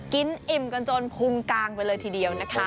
อิ่มกันจนพุงกางไปเลยทีเดียวนะคะ